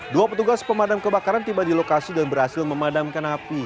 dua petugas pemadam kebakaran tiba di lokasi dan berhasil memadamkan api